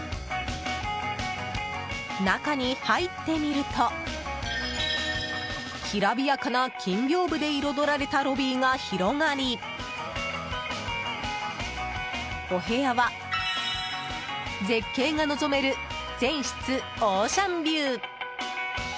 中に入ってみるときらびやかな金屏風で彩られたロビーが広がりお部屋は、絶景が望める全室オーシャンビュー。